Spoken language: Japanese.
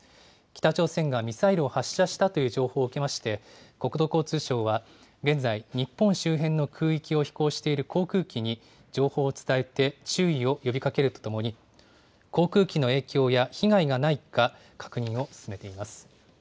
北朝鮮がミサイルを発射したという情報を受けまして、国土交通省は現在、日本周辺の空域を飛行している航空機に情報を伝えて、注意を呼びかけるとともに、航空機の影響や被害がないか確認を進めています。